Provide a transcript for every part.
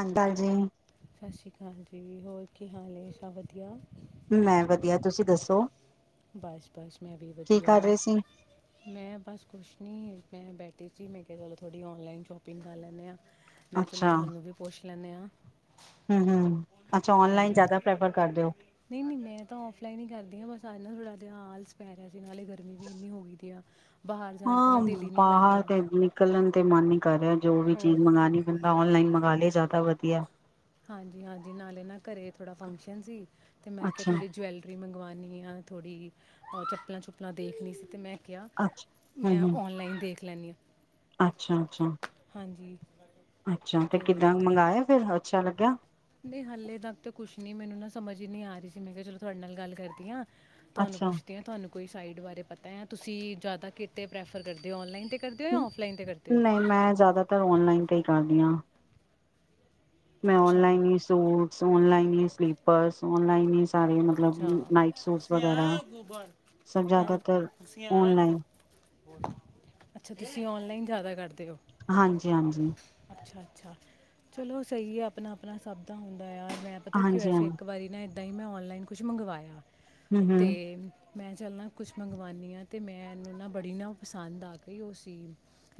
ਆਂਦਾ ਜੀ। ਸਤਿ ਸ਼੍ਰੀ ਕਾਲ ਜੀ। ਹੋਰ ਕੀ ਹਾਲ ਏ, ਸਭ ਵਧੀਆ? ਮੈਂ ਵਧੀਆ, ਤੁਸੀਂ ਦੱਸੋ? ਬਸ ਬਸ ਮੈਂ ਵੀ ਕੀ ਵਧੀਆ, ਕਰ ਰਹੇ ਸੀ ਮੈਂ ਬਸ ਕੁਛ ਨੀ। ਮੈਂ ਬੈਠੀ ਸੀ ਮੈਂ ਕਿਆ ਚਲੋ ਥੋਡੀ ਔਨਲਾਈਨ ਸ਼ੋਪਿੰਗ ਕਰ ਲੈਂਣੇ ਆਂ। ਮੈਂ ਚਲੋ ਅੱਛਾ ਤੁਹਾਨੂੰ ਵੀ ਪੁੱਛ ਲੈਣੇ ਆ। ਹੂੰ ਹੂੰ। ਅੱਛਾ ਔਨਲਾਈਨ ਹਾਂਜੀ, ਜ਼ਿਆਦਾ ਪ੍ਰੈਫਰ ਕਰਦੇ ਹੋ ਨਹੀਂ ਨਹੀਂ ਮੈਂ ਤਾਂ ਔਫਲਾਈਨ ਈ ਕਰਦੀ ਆਂ। ਬਸ ਅੱਜ ਨਾ ਥੋੜਾ ਜਾ ਆਲਸ ਪੈ ਰਿਆ ਸ ਨਾਲੇ ਗਰਮੀ ਵੀ ਇੰਨੀ ਹੋਗੀ ਆ। ਬਾਹਰ ਜਾਣ ਤਾਂ ਹਾਂ ਨਾ ਦਿਲ ਹੀ ਨਹੀਂ ਬਾਹਰ ਕਰਦਾ ਤੇ ਨਿਕਲਣ ਤੇ ਮਨ ਨੀ ਕਰ ਰਿਆ, ਜੋ ਵੀ ਹੋਰ ਚੀਜ਼ ਕੀ ਮੰਗਾਣੀ ਬੰਦਾ ਔਨਲਾਈਨ ਮੰਗਾ ਲੇ, ਜੈਦਾ ਵਧੀ ਆ। ਹਾਂਜੀ ਹਾਂਜੀ, ਨਾਲੇ ਨਾ ਘਰੇ ਥੋੜਾ ਫੰਕਸ਼ਨ ਸੀ। ਤੇ ਮੈਂ ਕਿਆ ਅੱਛਾ ਥੋੜ੍ਹੀ ਜਵੈਲਰੀ ਮੰਗਵਾਣੀ ਆ ਥੋੜ੍ਹੀ ਅ ਚੱਪਲਾਂ-ਚੁੱਪਲਾਂ ਦੇਖਣੀ ਸੀ, ਤੇ ਮੈਂ ਕਿਆ, ਅੱਛਾ ਹੂੰ ਮੈਂ ਹੂੰ ਔਨਲਾਈਨ ਦੇਖ ਲੈਣੀ ਆਂ। ਅੱਛਾ ਅੱਛਾ। ਹਾਂਜੀ। ਅੱਛਾ, ਤੇ ਕਿੱਦਾਂ ਮੰਗਾਯੈ ਫੇਰ ਅੱਛਾ ਲੱਗਿਆ। ਨਹੀਂ ਹਾਲੇ ਤੱਕ ਤੇ ਕੁਛ ਨੀ ਮੈਨੂੰ ਨਾ ਸਮਝ ਹੀ ਨੀ ਆ ਰੀ ਸੀ ਮੈਂ ਕਿਆ ਚਲੋ ਤੁਹਾਡੇ ਨਾਲ ਗੱਲ ਕਰਦੀ ਆਂ। ਤੁਹਾਨੂੰ ਅੱਛਾ ਪੁੱਛਦੀ ਆਂ, ਤੁਹਾਨੂੰ ਕੋਈ ਸਾਈਡ ਬਾਰੇ ਪਤੈ, ਤੁਸੀਂ ਜੈਦਾ ਕਿਤੇ ਪ੍ਰੈਫਰ ਕਰਦੇ ਔ ਔਨਲਾਈਨ ਤੇ ਕਰਦੇ ਹੋ ਜਾਂ ਆਫਲਾਈਨ ਤੇ ਕਰਦੇ ਹੋ ਨਹੀਂ ਮੈਂ ਜੈਦਾਤਰ ਔਨਲਾਈਨ ਤੇ ਈ ਕਰਦੀ ਆਂ। ਮੈਂ ਅੱਛਾ ਔਨਲਾਈਨ ਹੀ ਸੂਟਸ, ਔਨਲਾਈਨ ਹੀ ਸਲੀਪਰਸ ਔਨਲਾਈਨ ਈ ਸਾਰੇ ਮਤਲਬ ਅੱਛਾ ਨਾਈਟ ਸੂਟਸ ਤੁਸੀਂ ਵਗੈਰਾ, ਆਇਆ ਗੁਬਰ ਸਭ ਔਰ- ਜੈਦਾਤਰ ਤੁਸੀਂ ਆਇਆ ਗੁ- ਔਨਲਾਈਨ। ਅੱਛਾ, ਤੁਸੀਂ ਔਨਲਾਈਨ ਜੈਦਾ ਕਰਦੇ ਓ ਹਾਂਜੀ, ਹਾਂਜੀ, ਅੱਛਾ ਅੱਛਾ। ਚਲੋ ਸਹੀ ਹੈ ਅਪਣਾ ਅਪਣਾ ਸਭ ਦਾ ਹੁੰਦ ਦੈ, ਯਾਰ ਮੈਂ ਪਤਾ ਕੀ ਹਾਂਜੀ, ਹੋਯਾ ਸੀ ਹਾਂਜੀ, ਏਕ ਵਾਰੀ ਨਾ ਏ ਆਨਲਾਈਨ ਔਨਲਾਈਨ ਕੁਛ ਮੰਗਵਾਇਆ ਹੂੰ, ਤੇ ਹੂੰ, ਮੈਂ ਚੱਲ ਨਾ ਕੁਛ ਮੰਗਵਾਦੀ ਹਾਂ ਅਤੇ ਮੈਨੂੰ ਨਾ ਬੜੀ ਨਾ ਉਹ ਪਸੰਦ ਆ ਗਈ ਉਹ ਸੀ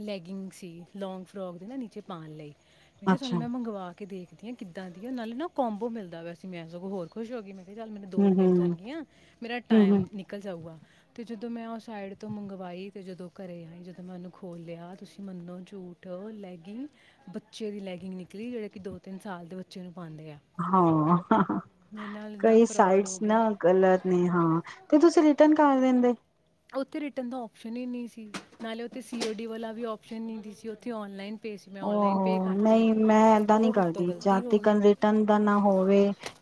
ਲੈਗਿੰਗ ਸੀ ਲੌਂਗ ਫਰੋਕ ਦੀ ਨਾ ਨੀਚੇ ਪਾਣ ਲਈ ਮੈਂ ਕਿਹਾ ਚੱਲ ਅੱਛਾ, ਮੈਂ ਮੰਗਵਾ ਦੇਖਦੀ ਹਾਂ ਕਿੱਦਾਂ ਦੀ ਨਾਲੇ ਨਾ ਕੋਬੋ ਮਿਲਦਾ ਵਾ ਅਸੀ ਮੈਂ ਸਗੋਂ ਹੋਰ ਖੁਸ਼ ਹੋ ਗਈ ਮੈਂ ਚੱਲ ਮੈਨੂੰ ਦੋ ਹੂੰ, ਮਿਲ ਹੂੰ, ਜਾਣਗੀਆਂ ਮੇਰਾ ਹੂੰ, ਹੂੰ, ਟਾਈਮ ਨਿਕਲ ਜਾਊਗਾ ਤੇ ਜਦੋਂ ਮੈਂ ਉਹ ਸਾਈਡ ਤੋਂ ਮੰਗਵਾਈ ਤੇ ਜਦੋਂ ਘਰ ਆਈ ਜਦੋਂ ਮੈਂ ਉਹਨੂੰ ਖੋਲ੍ਹ ਲਿਆ ਤੁਸੀਂ ਮੰਨੋ ਝੂਠ ਲੈਗਿੰਗ ਬੱਚੇ ਦੀ ਲੈਗਿੰਗ ਨਿਕਲੀ ਜਿਹੜੇ ਕਿ ਦੋ ਤਿੰਨ ਸਾਲ ਦੇ ਬੱਚੇ ਨੂੰ ਪਾਉਂਦੇ ਆ ਹਾਂ ਮੇਰੇ ਨਾਲ ਨਾ ਕਈ ਫਰਾਡ ਸਾਈਜ਼ ਹੋ ਨਾ ਗਿਆ ਗਲਤ ਨੇ ਹਾਂ ਤੇ ਤੁਸੀਂ ਰਿਟਨ ਕਰਤਾ ਕਰ ਦਿੰਦੇ। ਉੱਥੇ ਰਿਟਰਨ ਦਾ ਓਪਸ਼ਨ ਹੀ ਨਹੀਂ ਸੀ ਨਾਲੇ ਉੱਥੇ ਸੀ ਓ ਡੀ ਵਾਲਾ ਵੀ ਆਪਓਪਸ਼ਨ ਨਹੀਂ ਸੀ ਸੀ ਉੱਥੇ ਔਨਲਾਈਨ ਨਹੀਂ ਮੈਂ ਏਦਾਂ ਨਹੀਂ ਉਹ ਮੇਰੇ ਕਰਦੀ ਤੋਂ ਗਲਤੀ ਜਾਤੀ ਹੋ ਗਈ ਕਟਨ ਦਾ ਨਾ ਹੋਵੇ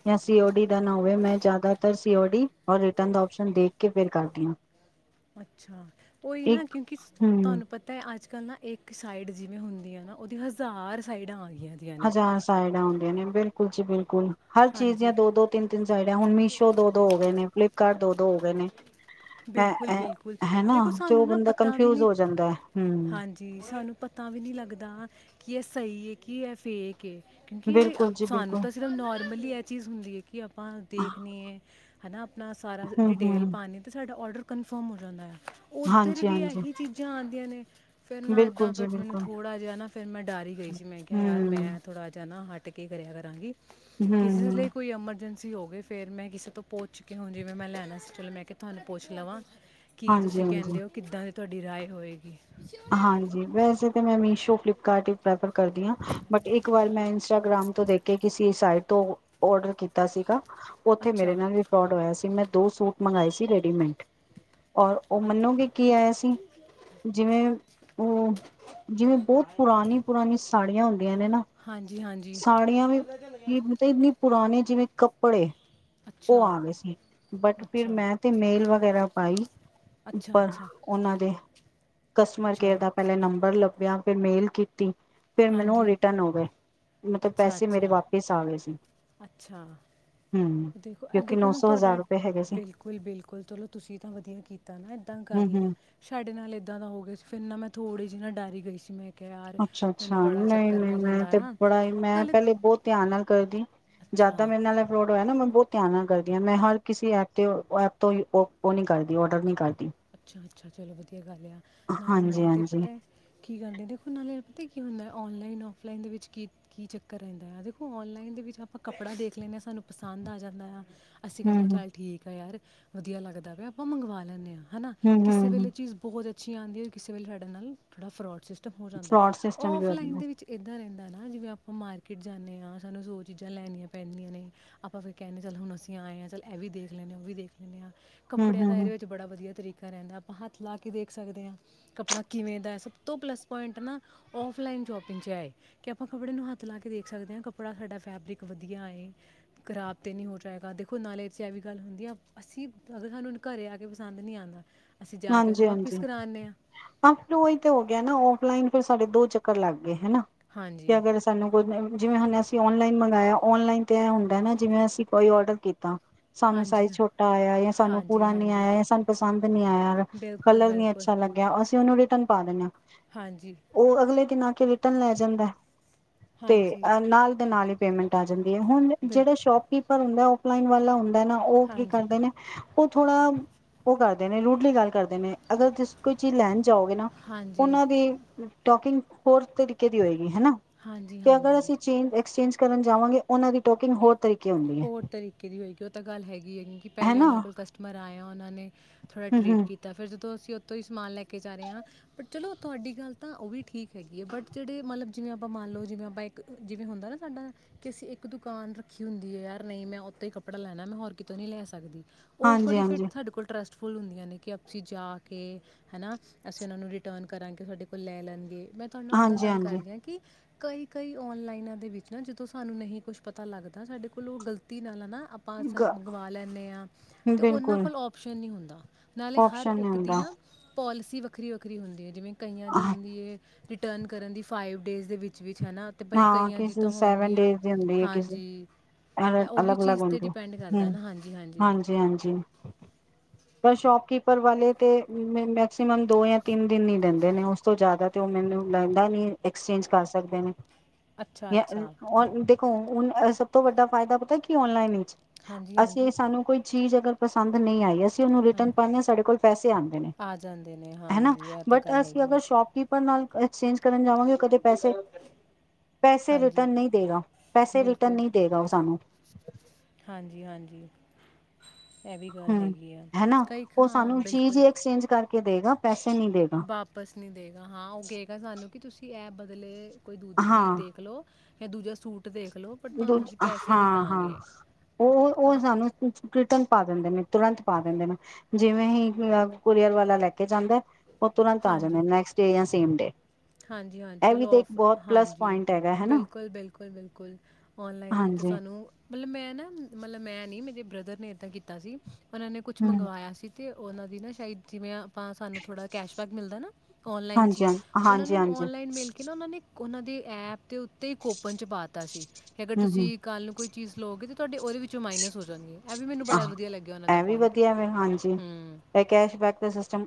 ਜਾਂ ਸੀਓ ਡੀ ਨਾ ਹੋਵੇ ਮੈਂ ਜ਼ਿਆਦਾਤਰ ਸੀਓਡੀ ਔ ਰਿਟਰਨ ਦਾ ਪਸ਼ਨ ਦੇਖ ਕੇ ਫਿਰ ਕਰਦੀ ਹਾਂ। ਅੱਛਾ। ਉਹੀ ਨਾ ਇੱਕ ਕਿਉਂਕਿ ਹੂੰ ਤੁਹਾਨੂੰ ਪਤਾ ਹੈ ਅੱਜ ਕੱਲ ਅੱਜ ਕੱਲ੍ਹ ਨਾ ਇੱਕ ਸਾਈਡ ਜਿਵੇਂ ਹੁੰਦੀ ਆ ਨਾ ਉਹਦੀ ਹਜ਼ਾਰ ਸਾਈਡਾਂ ਆ ਗਈ ਹਜ਼ਾਰ ਸਾਈਡਾਂ ਆਉਂਦੀਆਂ ਨੇ ਬਿਲਕੁਲ ਜੀ ਬਿਲਕੁਲ। ਹਰ ਚੀਜ਼ ਦੀਆਂ ਹਾਂਜੀ ਦੋ ਦੋ ਤਿੰਨ ਤਿੰਨ ਸਾਈਡ ਆ ਹੁਣ ਮੀਸ਼ੋ ਦੋ ਦੋ ਹੋ ਗਏ ਨੇ ਫਲਿੱਪਕਾਰਟ ਦੋ ਦੋ ਹੋ ਗਏ ਨੇ। ਬਿਲਕੁਲ, ਬਿਲਕੁਲ, ਹਨਾ ਦੇਖੋ ਤੇ ਉਹ ਸਾਨੂੰ ਨਾ ਬੰਦਾ ਪਤਾ ਵੀ ਕਨਫਿਊਜ ਨਹੀਂ, ਹੋ ਜਾਂਦਾ ਹੈ ਹਮ ਹਾਂਜੀ ਸਾਨੂੰ ਪਤਾ ਵੀ ਨਹੀਂ ਲੱਗਦਾ ਕਿ ਅ ਸਹੀ ਹੈ ਕੀ ਹੈ ਫੇਕ ਕੇ ਕਿਉਂਕਿ ਇਹ ਬਿਲਕੁਲ ਜੀ ਸਾਨੂੰ ਬਿਲਕੁਲ ਤਾਂ ਸਿਰਫ ਨੋਰਮਲੀ ਇਹ ਚੀਜ਼ ਹੁੰਦੀ ਹੈ ਕਿ ਆਪਾਂ ਦੇਖਦੇ ਹੈ ਹੈ ਨਾ ਆਪਣਾ ਸਾਰਾ ਹਮ ਡਿਟੇਲ ਹਮ ਪਾਣੀ, ਆਡਰ ਕਨਫਰਮ ਹੋ ਜਾਂਦਾ ਹੈ। ਉੱਧਰ ਹਾਂਜੀ ਵੀ ਹਾਂਜੀ ਇਹੀ ਚੀਜ਼ਾਂ ਆ ਤੇ ਨੇ, ਫਿਰ ਨਾ ਬਿਲਕੁਲ ਇੱਦਾਂ ਜੀ ਫਿਰ ਮੈਨੂੰ ਬਿਲਕੁਲ ਥੋੜਾ ਜਿਹਾ ਨਾ ਫਿਰ ਮੈਂ ਡਾਰੀ ਗਈ ਸੀ ਮੈਂ ਕਿਹਾ ਯਾਰ ਹਮ ਮੈਂ ਥੋੜ੍ਹਾ ਜਿਹਾ ਨਾ ਹਟ ਤੇ ਕੀ ਕਰਿਆ ਕਰਾਂਗੀ, ਹਮ ਕਿਸੇ ਹਮ, ਲਈ ਕੋਈ ਐਮਰਜੈਂਸੀ ਸੀ ਹੋ ਗਏ ਫਿਰ ਮੈਂ ਕਿਸੇ ਤੋਂ ਪੁੱਛ ਕੇ ਹੁਣ ਜਿਵੇਂ ਮੈਂ ਲੈਣਾ ਸੀ ਚਲੋ ਮੈਂ ਕਿਹਾ ਤੁਹਾਨੂੰ ਪੁੱਛ ਲਵਾਂ, ਕੀ ਹਾਂਜੀ ਤੁਸੀਂ ਹਾਂਜੀ ਕਹਿੰਦੇ ਹੋ ਕਿੱਦਾਂ ਤੁਹਾਡੀ ਰਾਏ ਹੋਏਗੀ। ਹਾਂਜੀ ਵੈਸੇ ਤਾਂ ਮੈਂ ਮੀਸ਼ੋ ਕਟੀ ਪੈਪਰ। ਕਰਦੀ ਹਾਂ ਬਟ ਇੱਕ ਵਾਰ ਮੈਂ ਇੰਸਟਾਗ੍ਰਾਮ ਤੋਂ ਦੇਖ ਕੇ ਕਿਸੇ ਸਾਈਟ ਤੋਂ ਆਡਰ ਕੀਤਾ ਸੀਗਾ। ਉੱਥੇ ਮੇਰੇ ਅੱਛਾ ਨਾਲ ਵੀ ਫਰੋਡ ਹੋਇਆ ਸੀ, ਮੈਂ ਦੋ ਸੂਟ ਮੰਗਵਾਏ ਸੀ ਰੈਡੀਮੇਡ। ਔਰ ਉਹ ਅੱਛ- ਮੰਨੋਗੇ ਕੀ ਆਇਆ ਸੀ। ਉਹ। ਜਿਵੇਂ ਬਹੁਤ ਪੁਰਾਣੀ ਪੁਰਾਣੀ ਸਾੜੀਆਂ ਹੁੰਦੀਆਂ, ਨੇ ਨਾ। ਹਾਂਜੀ ਹਾਂਜੀ ਸਾੜੀਆਂ ਵੀ ਥੱਲੇ ਚੱਲ ਗਿਆ ਮਤਲਬ ਇੰਨੀ ਪੁਰਾਣੀ। ਜਿਵੇਂ ਕੱਪੜੇ ਉਹ ਅੱਛਾ ਆ ਗਏ ਸੀ, ਬਟ ਫਿਰ ਅੱਛਾ ਮੈਂ ਤੇ ਮੇਲ ਵਗੈਰਾ ਪਾਈ, ਅੱਛਾ ਉੱਪਰ ਅੱਛਾ ਉਹਨਾਂ ਦੇ ਕਸਟਮਰ ਕੇਅਰ ਅੱਛਾ ਦਾ ਪਹਿਲੇ ਨੰਬਰ ਲੱਭਿਆ। ਫਿਰ ਮੇਲ ਕੀਤੀ। ਫਿਰ ਮੈਨੂੰ ਉਹ ਹਾਂਜੀ ਰਿਟਰਨ ਹੋ ਗਏ, ਮਤਲਬ ਅੱਛਾ ਪੈਸੇ ਮੇਰੇ ਅੱਛਾ ਵਾਪਿਸ ਆ ਗਏ ਸੀ। ਅੱਛਾ ਹਮ, ਦੇਖੋ ਕਿਉਂਕਿ ਦੇਖੋ ਨੌ ਨਾ ਸੌ ਹਜ਼ਾਰ ਤੁਹਾਡਾ ਰੁਪਏ ਹੈਗੇ ਸੀ ਬਿਲਕੁਲ ਬਿਲਕੁਲ ਚਲੋ, ਤੁਸੀਂ ਤਾਂ ਵਧੀਆ ਕੀਤਾ, ਨਾ ਏਦਾਂ ਹਮ ਕਰ ਲਿਆ, ਹਮ ਸਾਡੇ ਨਾਲ ਏਦਾਂ ਦਾ ਹੋ ਗਿਆ ਕਿੰਨਾ ਮੈਂ ਥੋੜੀ ਜਿ ਨਾ ਡਰ ਗਈ ਸੀ, ਮੈਂ ਯਾਰ। ਅੱਛਾ ਅੱਛਾ ਮੈਨੂੰ ਬੜਾ ਨਹੀਂ ਚੱਕਰ ਨਹੀਂ, ਪੈ ਮੈਂ ਜਾਂਦਾ ਤੇ ਆ ਬੜਾ ਹੀ, ਮੈਂ ਨਾਲੇ ਪਹਿਲੇ ਬਹੁਤ ਧਿਆਨ ਨਾਲ ਕਰਦੀ। ਜਿਆਦਾ ਅੱਛਾ ਮੇਰੇ ਨਾਲ ਫਰੋਟ ਨਾ ਮੈਂ ਬਹੁਤ ਧਿਆਨ ਨਾਲ ਕਰਦੀ ਹਾਂ, ਮੈਂ ਹਰ ਕਿਸੇ ਐਪ ਤੇ ਐਪ ਤੋਂ ਉਹ ਨੀ ਕਰਦੀ ਔਡਰ ਨੀ ਕਰਦੀ। ਅੱਛਾ ਅੱਛਾ ਚਲੋ ਵਧੀਆ। ਲਿਆ ਨਾਲੇ ਹਾਂਜੀ ਮੈਂ ਤੇ ਹਾਂਜੀ ਪਤਾ, ਕੀ ਕਰਦੇ ਦੇਖੋ ਨਾਲੇ ਅਤੇ ਕੀ ਹੁੰਦਾ, ਔਨਲਾਈਨ ਔਫਲਾਈਨ ਦੇ ਵਿੱਚ ਕੀ ਕੀ ਚੱਕਰ ਰਹਿੰਦਾ ਆ, ਦੇਖੋ ਔਨਲਾਈਨ ਦੇ ਵਿੱਚ ਆਪਾਂ ਕੱਪੜਾ ਦੇਖ ਲੈਂਦੇ ਹਾਂ। ਸਾਨੂੰ ਪਸੰਦ ਆ ਜਾਂਦਾ ਆ। ਅਸੀਂ ਕਹਿਣਾ ਹੂੰ-ਹੂੰ, ਚੱਲ ਠੀਕ ਆ ਯਾਰ ਵਧੀਆ ਲੱਗਦਾ ਵੀ ਆਪਾਂ ਮੰਗਵਾ ਲੈਂਦੇ ਹਾਂ। ਕਿਸੇ ਹੂੰ-ਹੂੰ-ਹੂੰ। ਵੇਲੇ ਚੀਜ਼ ਬਹੁਤ ਅੱਚੀ ਆਂਦੀ, ਕਿਸੇ ਵੇਲੇ ਸਾਡੇ ਨਾਲ ਥੋੜਾ ਫਰੋਡਟ ਹੋ ਜਾਂਦਾ ਫਰੋਡ ਸਿਸਟਮ ਵੀ ਹੋ ਔਫਲਾਈਨ ਜਾਂਦਾ। ਦੇ ਵਿੱਚ ਇਏਦਾਂ ਰਹਿੰਦਾ ਹੈ ਜਿਵੇਂ ਆਪਾਂ ਮਾਰਕੀਟ ਜਾਂਦੇ ਹਾਂ, ਸਾਨੂੰ ਸੋ ਚੀਜ਼ਾਂ ਲੈਣੀਆਂ ਪੈਂਣਦੀਆਂ ਨੇ ਆਪਾਂ ਫਿਰ ਕਹਿੰਦੇ ਹ, ਚੱਲ ਹੁਣ ਅਸੀਂ ਆਏ ਹਾਂ, ਚੱਲ ਇਹ ਵੀ ਦੇਖ ਲੈਂਦੇ ਹਾਂ ਉਹ ਵੀ ਦੇਖ ਲੈਂਦੇ ਹਾਂ। ਕੱਪੜਿਆਂ ਦਾ ਇਹਦੇ ਹੂੰ-ਹੂੰ-ਹੂੰ, ਵਿੱਚ ਬੜਾ ਵਧੀਆ ਤਰੀਕਾ। ਰਹਿੰਦਾ, ਆਪਾਂ ਹੱਥ ਲਾ ਕੇ ਦੇਖ ਸਕਦੇ ਹਾਂ, ਕੱਪੜਾ ਕਿਵੇਂ ਦਾ ਸਭ ਤੋਂ ਪਲੱਸ ਪੁਆਇੰਟ ਨਾ ਔਫਲਾਈਨ ਸ਼ੋਪਿੰਗ 'ਚ ਹੈਏ ਕਿ ਆਪਾਂ ਕੱਪੜੇ ਨੂੰ ਹੱਥ ਲਾ ਕੇ ਦੇਖ ਸਕਦੇ ਹਾਂ, ਕੱਪੜਾ ਸਾਡਾ ਫੈਬਰਿਕ ਵਧੀਆ ਏ ਖਰਾਬ ਤਾਂਤੇ ਨਹੀਂ ਹੋ ਜਾਏਗਾ ਦੇਖੋ, ਨਾਲੇ 'ਚ ਐ ਵੀ ਗੱਲ ਹੁੰਦੀ, ਆ ਅਸੀਂ ਅਗਰ ਸਾਨੂੰ ਘਰ ਆ ਕੇ ਪਸੰਦ ਨਹੀਂ ਆਉਂਦਾ। ਅਸੀਂ ਜਾ ਕੇ ਉਹਨੂੰ ਹਾਂਜੀ ਹਾਂਜੀ ਵਾਪਿਸ ਕਰਾਉਂਦੇ ਹਾਂ ਹਾਂ, ਫਿਰ ਉਹੀ ਤੇ ਹੋ ਗਿਆ, ਨਾ ਫਲਾਈਨ ਫਿਰ ਸਾਡੇ ਦੋ ਚੱਕਰ ਲੱਗ ਗੇ। ਹਨਾ ਕਿ ਹਾਂਜੀ ਅਗਰ ਸਾਨੂੰ ਜਿਵੇਂ ਹੁ ਅਸੀਂ ਆਨਲਾਈਨ ਮੰ ਔਨਲਾਈਨ ਤੇ ਹੁੰਦਾ ਨਾ ਜਿਵੇਂ ਅਸੀਂ ਕੋਈ ਔਡਰ ਕੀਤ ਸਾਨੂੰ ਸਾਈਜ਼ ਹਾਂਜੀ ਛੋਟਾ ਆਇਆ ਜਾਂ ਸਾਨੂੰ ਹਾਂਜੀ ਪੂਰਾ ਨੀ ਹਾਂਜੀ ਆਇਆ ਸਾਨੂੰ ਪਸੰਦ ਨੀ ਆਇਆ। ਬਿਲਕੁਲ ਕਲਰ ਨੀ ਬਿਲਕੁਲ ਅੱਛਾ ਲੱਗਿਆ ਅਸੀਂ ਉਹਨੂੰ ਰਿਟਰਨ ਪਾ ਦਿਨੇ ਆ ਹਾਂਜੀ ਨਾ ਕੇ ਰਿਟਰਨ ਲੈ ਜਾਂਦਾ ਤੇ ਹਾਂਜੀ ਅਹ ਨਾਲ ਦੇ ਨਾਲ ਈ ਪੇਮੈਂਟ ਆ ਜਾਂਦ ਹੁਣ ਬਿਲ ਜਿਹੜੇ ਸ਼ੋਪਕੀਪ ਪਰ ਹੁੰਦਾ ਔਫਲਾਈਨ ਵਾਲਾ ਹੁੰਦਾ ਨਾ ਉਹ ਕੀ ਹਾਂਜੀ ਕਰਦੇ ਨੇ ਉਹ ਥੋੜਾ ਉਹ ਕਰਦੇ ਨੇ ਰੂਢਲੀ ਗੱਲ ਕਰਦੇ ਨੇ ਅਗਰ ਤੁਸੀਂ ਕੋਈ ਚੀਜ਼ ਲੈਣ ਜਾਓਗੇ ਨਾ ਹਾਂਜੀ ਉਹਨਾਂ ਦੀ ਟੋਕਿੰਗ ਹੋਰ ਤਰੀਕੇ ਦੀ ਹੋਏਗ ਹਨਾ ਹਾਂਜੀ ਤੇ ਅਗਰ ਹਾਂਜੀ ਅਸੀਂ ਚੇਂਜ ਐਕਸਚੇਂਜ ਕਰਨ ਜਾਵਾਂਗੇ ਉਹਨਾਂ ਦੀ ਟੋਕਿੰਗ ਹੋਰ ਤਰੀਕੇ ਹੁੰਦੀ ਹੈ ਹੋਰ ਤਰੀਕੇ ਦੀ ਹੋਏਗੀ ਉਹ ਤਾਂ ਗੱਲ ਹੈਗੀ ਹੈਗੀ ਕਿ ਪਹਿਲੇ ਹਨਾ ਉਹਨਾਂ ਕੋਲ ਕਸਟਮਰ ਆਏਆ ਆ ਉਹਨਾਂ ਨੇ ਥੋੜ੍ਹਾ ਹਮ ਟਰੀਟ ਹਮ ਕੀਤਾ ਫਿਰ ਤੇ ਅਸੀਂ ਉਥੋਂ ਹੀ ਸਮਾਨ ਲੈ ਕੇ ਜਾ ਰਹੇ ਆਂ ਬਟ ਚਲੋ ਤੁਹਾਡੀ ਗੱਲ ਤਾਂ ਉਹ ਵੀ ਠੀਕ ਹੈਗੀ ਆ ਬਟ ਜਿਹੜੇ ਮੰਨ ਲਓ ਵੀ ਮਾਲੋ ਜਿਵੇਂ ਇੱਕ ਹੁੰਦਾ ਨਾ ਸਾਡਾ ਕਿ ਅਸੀਂ ਇੱਕ ਦੁਕਾਨ ਰੱਖੀਹੁੰਦੀ ਯਾਰ ਨਹੀਂ ਮੈਂ ਉਤੋਂ ਹੀ ਕੱਪੜਾ ਲੈਣਾ ਮੈਂ ਹੋਰ ਕਿਤੋਂ ਨ ਨਹੀਂ ਲੈ ਸਕਦੀ ਉਹ ਹਾਂਜੀ ਥੋੜੀ ਫਿਰ ਹਾਂਜੀ ਸਾਡੇ ਕੋਲ ਟਰੱਸਟ ਫੁੱਲ ਹੁੰਦੀਆਂ ਨੇ ਕਿ ਅਸੀਂ ਜਾ ਕੇ ਹੈ ਨਾ ਅਸੀਂ ਉਹਨਾਂ ਨੂੰ ਰਿਟਰਨ ਕਰਾਂਗੇ ਸਾਡੇ ਕੋਲ ਲੈ ਲੈਣਗੇ। ਮੈਂ ਤੁਹਾਨੂੰ ਓਦਾਂ ਹਾਂਜੀ ਗੱਲ ਕਰ ਹਾਂਜੀ ਰਹੀ ਹਾਂ ਕਿ ਕਈ ਕਈ ਔਨ ਲਈਨਾਂ ਦੇ ਵਿੱਚ ਨਾ ਜਦੋਂ ਸਾਨੂੰ ਨਹੀਂ ਕੁੱਛ ਪਤਾ ਲੱਗਦਾ ਸਾਡੇ ਮੰਨ ਲਓ ਉਹ ਗ਼ਲਤੀ ਨਾਲ ਹੈ ਨਾ ਆਪਾਂ ਅ ਗ ਮੰਗਵਾ ਲੈਂਨੇ ਆ ਤੇ ਉਹਨਾਂ ਬਿਲਕੁਲ ਕੋਲ ਆਪਸ਼ਨ ਨਹੀਂ ਹੁੰਦਾ ਨਾਲੇ ਹਰ ਓਪਸ਼ਨ ਨਹੀਂ ਇੱਕ ਦੀ ਹੁੰਦਾ ਨਾ ਪੋਲਿਸੀ ਵੱਖਰੀ ਵੱਖਰੀ ਹੁੰਦੀ ਹੈ ਜਿਵੇਂ ਕਈਆਂ ਦੀ ਹੁੰਦੀ ਏ ਰਿਟਰਨ ਕਰਨ ਦੀ ਫਾਈਵ ਡੇਜ਼ ਦੇ ਵਿੱਚ ਵਿੱਚ ਹਨਾ ਤੇ ਬਈ ਹਾਂ ਕਈਆਂ ਦੀ ਕਿਸੇ ਤਾਂ ਹੋਣਗੀਆਂ ਹਾਂਜੀ ਅ ਇਹ ਉਹ ਵੀ ਅਲੱਗ ਅਲੱਗ ਚੀਜ਼ ਤੇ ਹੁੰਦੀ ਡਿਪੈਂਡ ਕਰਦਾ ਹਮ ਨਾ ਹਾਂਜੀ ਹਾਂਜੀ ਹਾਂਜੀ ਪਰ ਸ਼ੋਪਕਿਪਰ ਵਾਲੇ ਤੇ ਮੈਕਸੀਮਮ ਦੋ ਜਾਂ ਤਿੰਨ ਦਿਨ ਹੀ ਦਿੰਦੇ ਨੇ ਉਸ ਤੋਂ ਜ਼ਿਆਦਾ ਤੇ ਉਹ ਮੈਨੂੰ ਲੈਂਗਦਾ ਨ ਐਕਸਚੇਂਜ ਕਰ ਸਕਦੇ ਨੇ। ਅੱਛਾ ਅੱਛਾ ੁਣ ਸਭ ਤੋਂ ਵੱਡਾ ਫਾਇਦਾ ਪਤਾ ਕੀ ਔਨਲਾਈਨ ਵਿੱਚ ਹਾਂਜੀ ਅਸੀਂ ਹਾਂਜੀ ਸਾਨੂੰ ਕੋਈ ਚੀਜ਼ ਅਗਰ ਪਸੰਦ ਨਹੀਂ ਆਈ ਹੈ ਉਹਨੂੰ ਰਿਟਰਨ ਹਾਂਜੀ ਪਾਉਦੇ ਹਾਂ ਸਾਡੇ ਕੋਲ ਪੈਸੇ ਆਉਂਦੇ ਨੇ ਆ ਜਾਂਦੇ ਨੇ ਹਨਾ ਹਾਂਜੀ ਇਹ ਤਾਂ ਬਟ ਗੱਲ ਅਸੀਂ ਹੈਗੀ ਅਗਰ ਆ ਸ਼ੋਪਕੀਪਰ ਨਾਲ ਐਕਸਚੇਂਜ ਕਰਨ ਜਾਵਾਂਗੇ ਉਹ ਕਦੇ ਪੈਸੇ ਪੈਸੇ ਹਾਂਜੀ ਰਿਟਰਨ ਨਹੀਂ ਦੇਗਾ ਪੈਸੇ ਰਿਟਰਨ ਬਿਲਕੁਲ ਨਹੀਂ ਦੇਗਾ ਉਹ ਸਾਨੂੰ ਹਾਂਜੀ ਹਾਂਜੀ ਇਹ ਵੀ ਗੱਲ ਹਮ ਹੈਗੀ ਆ ਹਨਾ ਕਈ ਉਹ ਹਾਂ ਸਾਨੂੰ ਜੀ ਜੀ ਐਕਸਚੇਂਜ ਕਰਕੇ ਦੇਗਾ ਪੈਸੇ ਨਹੀਂ ਦੇਗਾ ਵਾਪਿਸ ਨਹੀਂੀ ਦੇਗਾ ਹਾਂ ਉਹ ਕਏਗਾ ਸਾਨੂੰ ਕਿ ਤੁਸੀਂ ਇਹ ਬਦਲੇ ਕੋਈ ਦੂਜੀ ਚੀਜ਼ ਦੇਖ ਲਓ ਹੈ ਦੂਜਾ ਸੂਟ ਦੇਖ ਲਓ ਬਟ ਦ ਤੁਹਾਨੂੰ ਅਸੀਂ ਪੈਸੇ ਨਹੀਂ ਹਾਂ-ਹਾਂ, ਦਾਂਗੇ ਉਹ-ਉਹ ਹਾਂ ਸਾਨੂੰ, ਤ ਪਾ ਦਿੰਦੇ ਨੇ ਤੁਰੰਤ ਪਾ ਦਿੰਦੇ ਨੇ ਜਿਵੇਂ ਹੀ ਕੁਰੀਅਰ ਵਾਲਾ ਲੈ ਕੇ ਜਾਂਦਾ। ਉਹ ਤੁਰੰਤ ਆ ਜਾਣੇ ਨੈਕਸਟ ਡੇ ਜਾਂ ਸੇਮ ਡੇ, ਹਾਂਜੀ-ਹਾਂਜੀ ਇਹ ਵੀ ਚਲੋ ਤੇ ਇੱਕ ਔਫ ਬਹੁਤ ਪਲੱਸ ਹਾਂਜੀ ਪੁਆਇੰਟ ਹੈਗਾ ਹਨਾ ਬਿਲਕੁਲ-ਬਿਲਕੁਲ-ਬਿਲਕੁਲ, ਔਨਲਾਈਨ ਦੇ ਵਿੱਚ ਹਾਂਜੀ ਸਾਨੂੰ ਮਤਲਬ ਮੈਂ ਨਾ ਮਤਲਬ ਮੈਂ ਨੀ ਮੇਰੇ ਬ੍ਰਦਰ ਨੇ ਏਦਾਂ ਕੀਤਾ ਸੀ। ਉਹਨਾਂ ਨੇ ਕੁਛ ਹਮ ਮੰਗਵਾਇਆ ਸੀ। ਅਤੇ ਉਹਨਾਂ ਦੀ ਨਾ ਸ਼ਾਇਦ ਜਿਵੇਂ ਆ ਆਪਾਂ ਸਾਨੂੰ ਥੋੜਾ ਕੈਸ਼ਬੈਕ ਮਿਲਦਾ ਨਾ ਔਨਲਾਈਨ ਚ ਹੀ, ਜ ਨੂੰ ਹਾਂਜੀ, ਔਨਲਾਈਨ ਮਿਲ ਕੇ ਨਾ ਉਹਨਾਂ ਨੇ ਉਹਨਾਂ ਦੇ ਐਪ ਤੇ ਉੱਤੇ ਹੀ ਕੋਪਨ ਚ ਪਾਤਾ ਸੀ ਅਗਰ ਹਮ ਹਮ ਤੁਸੀਂ ਕੱਲ ਨੂੰ ਕੋਈ ਚੀਜ਼ ਲੋਗੇ ਤੇ ਤੁਹਾਡੇ ਉਹਦੇ ਵਿੱਚੋਂ ਮਾਈਨਸ ਹੋ ਜਾਣਗੇ ਇਹ ਵੀ ਮੈਨੂੰ ਬੜਾ ਵਧੀਆ ਲੱਗਿਆ ਉਹਨਾਂ ਦਾ ਇਹ ਵੀ ਪੁਆਇੰਟ ਵਧੀਆ ਵ ਹਾਂਜੀ ਹੂੰ, ਇਹ ਕੈਸ਼ਬੈਕ ਦਾ ਸਿਸਟਮ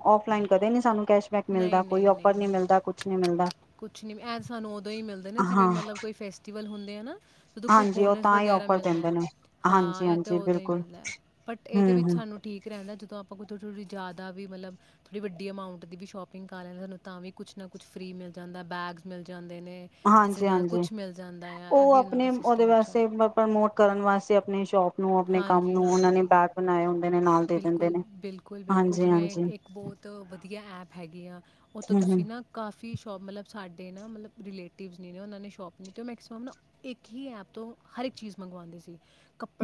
ਕਦੇ ਨੀ ਸਾਨੂੰ, ਕੈਸ਼ਬੈਕ ਮਿਲਦਾ ਕੋਈ ਔਫਰ ਨੀ ਨਹੀਂ-ਨਹੀਂ-ਨਹੀਂ-ਨਹੀਂ ਮਿਲਦਾ ਕੁਛ ਨੀ ਮਿਲਦਾ ਕੁਛ ਨੀ ਐ ਸਾਨੂੰ ਉਦੋਂ ਹੀ ਮਿਲਦੇ ਨਾ ਜਿਵੇਂ ਹਾਂ ਮਤਲਬ ਕੋਈ ਫੈਸ ਹੁੰਦੇ ਆ ਨਾ, ਜਦੋਂ ਕੋਈ ਹਾਂਜੀ ਉਹ ਬੋਨਸ ਤਾਂ ਹੀ ਵਗੈਰਾ ਔਫਰ ਮਿਲਦਾ ਦਿੰਦੇ ਨੇ ਹਾਂਜੀ ਹਾਂ ਇਹ ਤਾਂ ਹਾਂਜੀ ਉਦਾਂ ਹੀ ਬਿਲਕੁਲ ਮਿਲਦਾ ਬਟ ਇਹਦੇ ਹਮ ਵਿੱਚ ਹਮ ਸਾਨੂੰ ਠੀਕ ਰਹਿੰਦਾ ਜਦੋਂ ਆਪਾਂ ਕੋ ਥੋੜ ਥੋੜੀ ਜਿਆਦਾ ਵੀ ਮਲਬਥੋੜੀ ਵੱਡੀ ਅਮਾਊਂਟ ਦੀ, ਸ਼ੋਪਿੰਗ ਕਰ ਲੈਂਦੇ ਸਾਨੂੰ ਤਾਂ ਵੀ ਕੁਛ ਨਾ ਕੁਛ ਫ੍ਰਰੀ ਮਿਲ ਜਾਂਦਾ ਬੈਗਸ ਮਿਲ ਜਾਂਦੇ। ਨੇ ਕਿਸੇ ਨਾਲ ਕੁਝ ਹਾਂਜੀ-ਹਾਂਜੀ, ਮਿਲ ਜਾਂਦਾ ਆ ਇਹ ਉਹ ਵੀ ਉਹਨਾਂ ਆਪਣੇ ਦਾ ਉਹਦੇ ਸਿਸਟਮ ਅੱਛਾ ਹੈ ਵਾਸਤੇ ਪ੍ਰਮੋਟ ਕਰਨ ਵਾਸਤੇ ਆਪਣੀ ਸ਼ੋਪ ਨੂੰ ਆਪਣੇ ਕੰਮ ਨੂੰ ਉਹਨਾਂ ਨੇ ਬੈਗ ਬਣਾਏ। ਨੇ ਨਾਲ ਦੇ ਦਿੰਦੇ ਨੇ ਬਿਲਕੁਲ-ਬਿਲਕੁਲ-ਬਿਲਕੁਲ, ਹਾਂਜੀ ਜਿਵੇਂ ਹਾਂਜੀ ਇੱਕ ਬਹੁਤ ਵਧੀਆ ਐਪ ਹੈਗੀਆਂ। ਉਹਤੋਂ ਹੂੰ ਹੂੰ ਤੁਸੀਂ ਨਾ ਕਾਫੀ ਸ਼ੋਪ ਮਤਲਬ ਸਾਡੇ ਨਾ ਮਤਲਬ ਰਿਲੇਟਿਵਜ਼ ਨਹੀਂ ਨੇ ਉਹਨਾਂ ਨੇ ਸ਼ੋਪ ਨਹੀਂ ਅਤੇ ਉਹ ਮੈਕਸੀਮਮ ਨਾ ਇੱਕ ਹੀ ਐਪ ਤੋਂ ਹਰ ਇੱਕ ਚੀਜ਼ ਮੰਗਵਾਦੇ ਸੀ।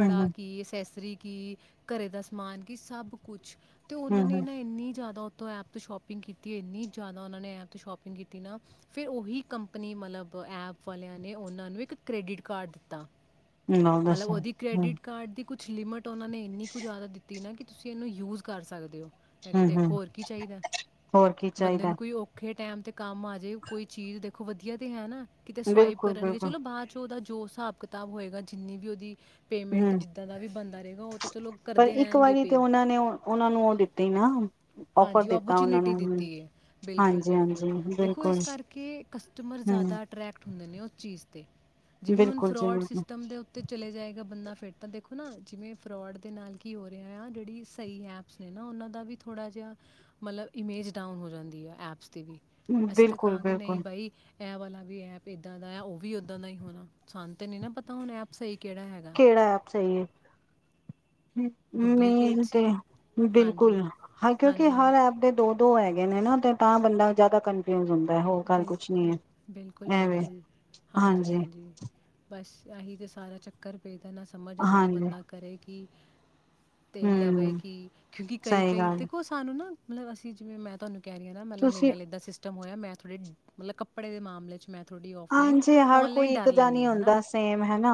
ਹੂੰ ਹੂੰ ਕੀ ਅਸੈਸਰੀ, ਕਿ ਘਰੇ ਦਾ ਸਮਾਨ ਕਿ ਸਭ ਕੁਛ ਤੇ ਹੂੰ ਉਹਨਾਂ ਨੇ ਹੂੰ ਨਾ ਇੰਨੀ ਜ਼ਿਆਦਾ ਐਪ ਤੋਂ ਸ਼ੋਪਿੰਗ ਕੀਤੀ ਇਨੀ ਜਿਆਦਾ ਉਹ ਨੇ ਐਪ ਸ਼ੋਪਿੰਗ ਕੀਤੀ ਨਾ ਫਿਰ ਉਹੀ ਕੰਪਨੀ ਮਤਲਬ ਐਪ ਵਾਲਿਆਂ ਨੇ ਉਹ ਨੂੰ ਇੱਕ ਕ੍ਰੇਡਿਟ ਕਾਰਡ ਦਿੱਤਾ। ਹ ਉਹ ਦੱਸ ਹਮ ਕੁਛ ਲਿਮਿਟ ਉਹਨਾਂ ਨੇ ਇੰਨੀ ਕੁ ਜ਼ਿਆਦਾ ਦਿੱ ਨਾ ਕਿ ਤੁਸੀਂ ਇਹਨੂੰ ਯੂਜ ਕਰ ਸਕਦੇ ਹੋ ਮੈਂ ਕਿਹਾ ਹੂੰ ਹੂੰ ਦੇਖੋ ਹੋਰ ਕੀ ਚਾਹੀਦਾ ਹੋਰ ਕੀ ਬੰਦੇ ਚਾਹੀਦਾ ਨੂੰ ਕੋਈ ਔਖੇ ਟੈਮ ਤੇ ਕੰਮ ਆ ਜਾੇ ਕੋਈ ਚੀਜ਼ ਦੇਖੋ ਵਧੀਆ ਤੇ ਹੈ ਨਾ ਕਿਤੇ ਸਵਾਇਪ ਬਿਲਕੁਲ ਕਰਨਗੇ ਬਿਲਕੁਲ ਚਲੋ ਬਾਅਦ ਚ ਉਹਦਾ ਜੋ ਹਿਸਾਬ ਕਿਤਾਬ ਹੋਏਗਾ ਜਿੰਨੀ ਵੀ ਉਹਦੀ ਪੇਮੈਂਟ ਹੂੰ ਜਿੱਦਾਂ ਦਾ ਵੀ ਬੰਦਾ ਰਹੇਗਾ ਉਹ ਤਾਂ ਚਲੋ ਪਰ ਕਰਦੇ ਇੱਕ ਵਾਰੀ ਤੇ ਉਹਨਾਂ ਨੇ ਉਹਨਾਂ ਨੂੰ ਉਹ ਦਿੱਤੀ ਨਾ ਔਫਰ ਹਾਂਜੀ ਦਿੱਤਾ ਉਹਨਾਂ ਓਰਚਨਿਟੀ ਨੂੰ ਦਿੱਤੀ ਹੈ ਬਿਲਕੁਲ ਹਾਂਜੀ ਬਿਲਕੁਲ ਹਾਂਜੀ ਦੇਖੋ ਬਿਲਕੁਲ ਇਸ ਕਰਕੇ ਕਸਟਮਰ ਹੂੰ ਜ਼ਿਆਦਾ ਅੈਕਟ ਹੁੰਦੇ ਨੇ ਉਸ ਚੀਜ਼ ਤੇ ਜਿਵੇਂ ਹੁਣ ਬਿਲਕੁਲ ਜੀ ਫਰੋਡ ਬਿਲਕੁਲ ਸਟਮ ਦੇ ਉਤੇ ਚ ਜਾਏ ਬੰਦਾ ਫਿਰਟ ਤਾਂ ਦੇਖੋ ਨਾ ਜਿਵੇਂ ਫਰੋਡ ਦੇ ਨਾਲ ਕੀ ਹੋ ਰਿਹਾ ਆ ਜਿਹੜੀ ਸਹੀ ਐਪਸ ਨੇ ਨਾ ਉਹਨਾਂ ਦਾ ਵੀ ਥੋੜਾ ਜਿਹਾ ਮਤਲਬ ਇਮੇਜ ਡਾਊਨ ਹੋ ਜਾਂਦੀ ਆ ਐਪਸ ਵੀ ਅਸੀਂ ਤਾਂ ਬਿਲਕੁਲ ਕਹਾਂਗੇ ਨਹੀਂ ਬਿਲਕੁਲ ਬਾਈ ਐ ਵਾਲਾ ਵੀ ਐਪ ਇੱਦਾਂ ਦਾ ਹੈ ਉਹ ਵੀ ੱਦਾਂ ਦਾ ਹੀ ਹੋਣਾ ਸਾਨ ਤੇ ਨੀ ਨਾ ਪਤਾ ਹੁਣ ਐਪ ਸਹੀ ਕਿਹੜਾ ਹੈਗਾ ਕਿਹੜਾ ਐਪ ਚਾਹੀਏ ਡੁਪਲੀਕੇਟ ਮੇਨ ਤੇ ਸੀ ਬਿਲਕੁਲ ਹਾਂਜੀ ਹ ਕਿਉਂਕਿ ਹਾਂਜੀ ਹਾਂਜੀ ਹਰ ਐਪ ਦੇ ਦੋ ਦੋ ਹੈਗੇ ਨੇ ਹਨਾ ਤੇ ਤਾਂ ਬੰਦਾ ਜ਼ਿਆਦਾ ਕਨਫਿਊਜ ਹੁੰਦਾ ਹੋਰ ਗੱਲ ਕੁਛ ਨੀ ਬਿਲਕੁਲ ਹੈ ਬਿਲਕੁਲ ਐਵੇਂ ਬਿਲਕੁਲ ਹਾਂਜੀ ਹਾਂਜੀ ਬਸ ਆਹੀ ਤੇ ਸਾਰਾ ਚੱਕਰ ਪੇ ਤਾਂ ਨਾ ਸਮਝ ਆਉਂਦੀ ਹਾਂਜੀ ਬੰਦਾ ਕਰੇ ਕਿ ਤੇ ਲਵੇ ਹਮ ਕਿ ਕਿਉਂਕਿ ਕਈ ਸਹੀ ਕਈ ਗੱਲ ਦੇਖੋ ਸਾਨੂੰ ਨਾ ਮਤਲਬ ਅਸੀਂ ਜਿਵੇਂ ਮੈਂ ਤੁਹੂੰ ਕ ਰਹੀਆਂ ਨਾ ਮਲਬ ਮੇਰੇ ਤੁਸੀਂ ਨਾਲ ਇੱਦਾ ਸੀਸ ਹੋਇਆ ਮੈਂ ਥੋੜੇ ਮਤਲਬ ਕੱਪੜੇ ਦੇ ਮਾਮਲੇ ਚ ਮੈਂ ਥੋੜੀ ਆਫਲਾਈਨ ਹਾਂਜੀ ਹਰ ਆਨਲਾਈਨ ਕੋਈ ਇੱਕ ਡਰ ਜਾ ਲੈਂਦੀ ਨਹੀਂ ਹਾਂ ਹਨਾ ਹੁੰਦਾ ਸੇਮ ਹੈ ਨਾ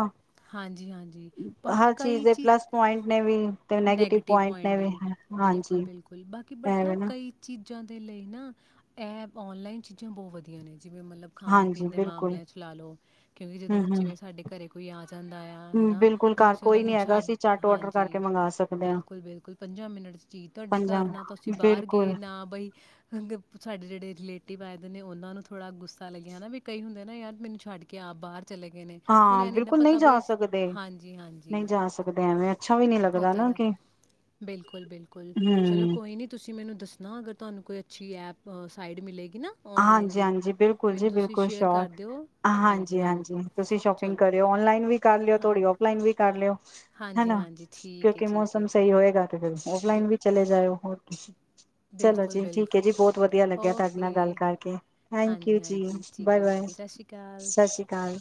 ਹਾਂਜੀ ਹਾਂਜੀ ਬਾਕੀ ਹਰ ਕਈ ਚੀਜ਼ ਦੇ ਪਲੱਸ ਪੁਆਇੰਟ ਨੇ ਵੀ ਤੇ ਨੈਗੇਟਿਵ ਪੁਆਇੰਟ ਨੇ ਵੀ ਬਿਲਕੁਲ, ਬਿਲਕੁਲ ਬਾਕੀ ਬਟ ਹਾਂਜੀਵੇ ਨਾ ਕਈ ਚੀਜ਼ਾਂ ਦੇ ਲਈ ਨਾ ਐਪ ਔਨਲਾਈਨ ਚੀਜ਼ਾਂ ਬਹੁਤ ਵਧੀਆ ਨੇ ਜਿਵੇਂ ਮਤਲਬ ਖਾਣ ਹਾਂਜੀ ਪੀਣ ਦੇ ਬਿਲਕੁਲ ਮਾਮਲਿਆਂ ਚ ਲਾ ਲਉ ਕਿਉਂਕਿ ਜਦੋਂ ਹਮ ਜਿਵੇਂ ਸਾਡੇ ਘਰੇ ਕੁਈ ਆ ਜਾਂਦਾ ਆ ਹਮ ਹਨਾ ਬਿਲਕੁਲ ਹੁਣ ਘਰ ਅਸੀਂ ਉਹਨਾਂ ਕੋਈ ਨੂੰ ਨੀ ਹੈਗਾ ਛੱਡ ਅਸੀਂ ਝੱਟ ਔਡਰ ਹਾਂਜੀ ਕਰਕੇ ਮੰਗਵਾ ਸਕਦੇ ਹਾਂ ਬਿਲਕੁਲ ਬਿਲਕੁਲ ਪੰਜਾਂ ਮਿੰਟ ਚੀਜ਼ ਤੁਹਾਡੇ ਪੰਜਾਂ ਘਰ ਨਾ ਤਾਂ ਅਸੀਂ ਬਾਹਰ ਗਏ ਬਿਲਕੁਲ ਨਾ ਬਈ ਸਾਡੇ ਜਿਹੜੇ ਰਲੇਟ ਪ ਪਾਏਦੇ ਨੇ ਉਹਨਾਂ ਨੂੰ ਥੋੜਾ ਗੁੱਸਾ ਲੱਗਿਆ ਹਨਾ ਵੀ ਕਈ ਹੁੰਦੇ ਨਾ ਯਾਰ ਮੈਨੂੰ ਛੱਡ ਕੇ ਆਪ ਬਾਹਰ ਚਲੇ ਗਏ ਨੇ ਹੁਣ ਹਾਂ ਇਹ ਨ ਨਾ ਬਿਲਕੁਲ ਪਤਾ ਨਹੀਂ ਜਾ ਵੀ ਸਕਦੇ ਹਾਂਜੀ ਨਹੀਂ ਹਾਂਜੀ ਜਾ ਸਕਦੇ ਐਵੇਂ ਅੱਛਾ ਵੀ ਨਹੀਂ ਉਹ ਲੱਗਦਾ ਤਾਂ ਨਾ ਗੱਲ ਕਿ ਬਿਲਕੁਲ ਬਿਲਕੁਲ ਚਲੋ ਹੂੰ ਕੋਈ ਨੀ ਤੁਸੀਂ ਮੈਨੂੰ ਦੱਸਣਾ ਅਗਰ ਤੁਹਾਨੂੰ ਕੋਈ ਅੱਛੀ ਐਪ ਸਾਈਡ ਮਿਲੇਗ ਹਾਂਜੀ ਹਾਂਜੀ ਬਿਲਕੁਲ ਜੀ ਬਿਲਕੁਲ ਸ਼ੇਅਰ ਸ਼ੋਰ ਕਰ ਦਿਓ। ਹਾਂਜੀ ਹਾਂਜੀ ਤੁਸੀਂ ਸ਼ੋਪਿੰਗ ਚਲੋ, ਕਰਿਓ ਔਨਲਾਈਨ ਵੀ ਕਰ ਲਿਓ ਹਾਂ ਥੋਡੀ ਓਫਲਾਈਨ ਵੀ ਕਰ ਲਿਓ ਹਾਂਜੀ, ਹੈਨਾ ਹਾਂਜੀ ਠੀਕ ਹੈ, ਕਿਉਂਕਿ ਠੀਕ ਮੌਸਮ ਹੈ। ਸਹੀ ਹੋਏਗਾ ਤੇ ਫੇਰ ਬਿ ਔਫਲਾਈਨ ਵੀ ਚਲੇ ਜਾਇਓ ਹੋਰ ਚਲੋ ਬਿਲਕੁਲ, ਜੀ ਠੀਕ ਏ ਜੀ ਬਿਲਕੁਲ। ਬਹੁਤ ਵਧੀਆ ਲੱਗਿਆ ਤੁਹਾਡੇ ਨਾਲ ਗੱਲ ਓਕੇ। ਕਰਕੇ ਥੈਂਕੂ ਹਾਂਜੀ, ਜੀ ਹਾਂਜੀ ਠੀਕ ਬਾਏ ਹੈ, ਬਾਏ ਓਕੇ। ਸ਼੍ਰੀ ਅਕਾਲ। ਸਤਿ ਸ਼੍ਰੀ ਅਕਾਲ